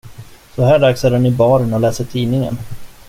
Så här dags är han i baren, och läser tidningen.